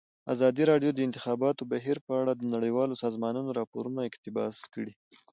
ازادي راډیو د د انتخاباتو بهیر په اړه د نړیوالو سازمانونو راپورونه اقتباس کړي.